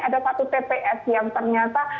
ada satu tps yang ternyata